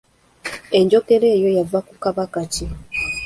Enjogera eyo yava ku Kabaka ki?